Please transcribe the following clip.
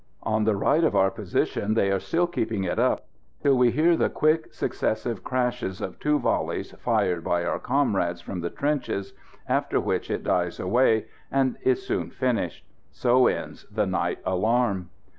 On the right of our position they are still keeping it up, till we hear the quick successive crashes of two volleys fired by our comrades from the trenches, after which it dies away and is soon finished. So ends the night alarm.